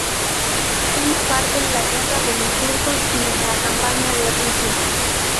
Toma parte en la guerra de los Turcos y en la campaña de Rusia.